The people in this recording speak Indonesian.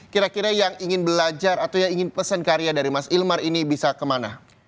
kira kira yang ingin belajar atau yang ingin pesan karya dari mas ilmar ini bisa kemana